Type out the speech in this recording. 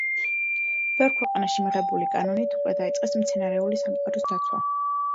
ბევრ ქვეყანაში მიღებული კანონით უკვე დაიწყეს მცენარეული სამყაროს დაცვა.